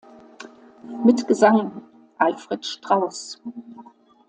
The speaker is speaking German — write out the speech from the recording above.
Mit Gesang: Alfred Strauss.